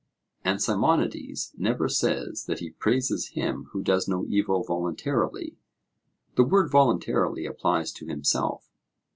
And Simonides never says that he praises him who does no evil voluntarily; the word 'voluntarily' applies to himself.